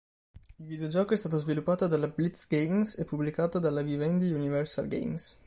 Il videogioco è stato sviluppato dalla Blitz Games e pubblicato dalla Vivendi Universal Games.